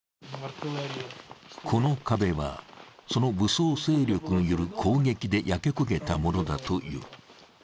この壁は、その武装勢力による攻撃で焼け焦げたものだという。